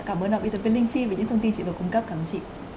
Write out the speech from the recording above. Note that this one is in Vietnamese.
cảm ơn đồng ý thân viên linh si về những thông tin chị được cung cấp cảm ơn chị